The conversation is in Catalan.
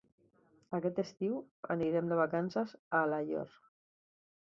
Aquest estiu anirem de vacances a Alaior.